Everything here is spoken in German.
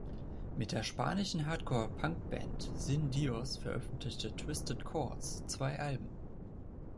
Mit der spanischen Hardcore-Punk-Band Sin Dios veröffentlichte Twisted Chords zwei Alben.